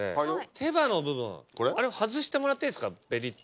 手羽の部分あれを外してもらっていいですかぺりって。